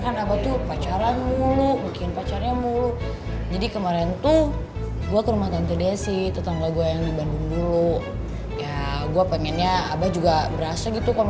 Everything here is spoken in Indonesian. nyalahin raya terus